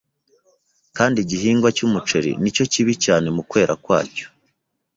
Kandi igihingwa cyumuceri nicyo kibi cyane mu kwera kwacyo.